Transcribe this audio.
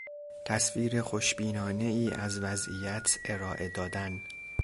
تصویر خوشبینانهای از وضعیت ارائه دادن